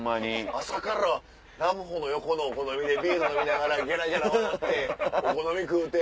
朝からラブホの横のお好み屋でビール飲みながらゲラゲラ笑ってお好み食うて。